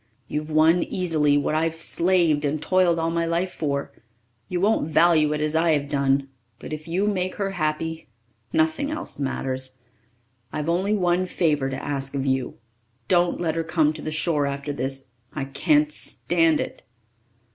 You've won easily what I've slaved and toiled all my life for. You won't value it as I'd have done but if you make her happy, nothing else matters. I've only one favour to ask of you. Don't let her come to the shore after this. I can't stand it."